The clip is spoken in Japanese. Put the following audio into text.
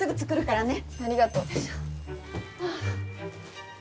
ありがとう。